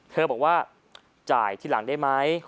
เธอบอกว่าจ่ายทีหลังได้ไหม